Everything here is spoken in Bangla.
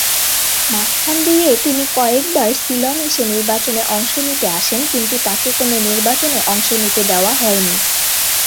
মাঝখান দিয়ে তিনি কয়েকবার সিলন এসে নির্বাচনে অংশ নিতে আসেন কিন্তু তাকে কোনো নির্বাচনে অংশ নিতে দেওয়া হয়নি।